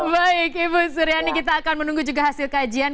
baik ibu suryani kita akan menunggu juga hasil kajian